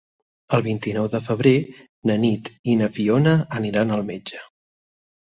El vint-i-nou de febrer na Nit i na Fiona aniran al metge.